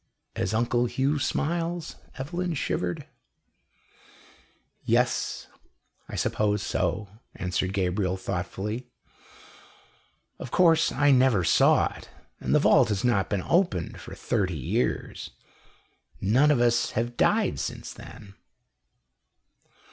"As Uncle Hugh smiles?" Evelyn shivered. "Yes, I suppose so," answered Gabriel, thoughtfully. "Of course I never saw it, and the vault has not been opened for thirty years none of us have died since then."